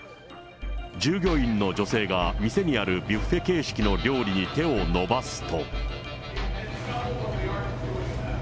従業員の女性が店にあるビュッフェ形式の料理に手を伸ばすと。